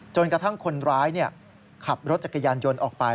จนกระทั่งคนร้ายขับรถจักรยานยนต์ออกไป